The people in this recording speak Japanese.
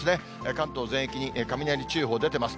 関東全域に雷注意報出てます。